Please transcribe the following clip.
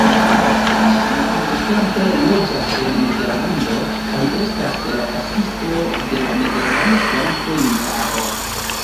Ŝi nuntempe loĝas en Nederlando kaj estas la kasisto de la Nederlanda Esperanto-Junularo.